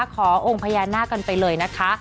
ขอโอ้งพญานากันไปเลยนะคะ